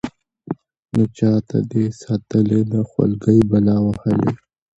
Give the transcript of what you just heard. نو چاته دې ساتلې ده خولكۍ بلا وهلې.